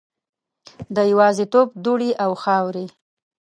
د یوازیتوب دوړې او خاورې